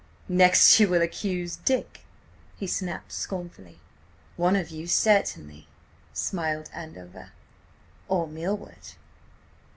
"'Next you will accuse Dick!' he snapped scornfully. "'One of you, certainly,' smiled Andover. 'Or Milward.'